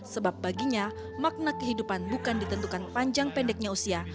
sebab baginya makna kehidupan bukan ditentukan panjang pendeknya usia